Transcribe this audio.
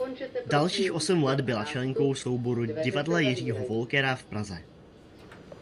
Dalších osm let byla členkou souboru Divadla Jiřího Wolkera v Praze.